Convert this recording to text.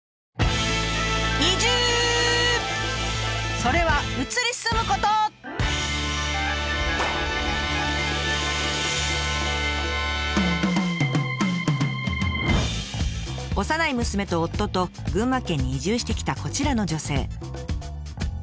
それは幼い娘と夫と群馬県に移住してきたこちらの女性。